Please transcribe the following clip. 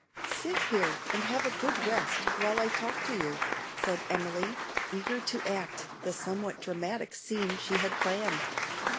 "Sit here and have a good rest, while I talk to you," said Emily, eager to act the somewhat dramatic scene she had planned.